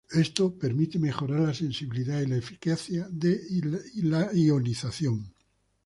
Esto permite mejorar la sensibilidad y la eficiencia de ionización.